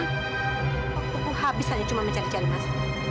aku habis aja cuma mencari cari mas